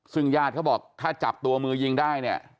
ซึ่งญาติเขาบอกถ้าจับตัวมือยิงได้เนี่ย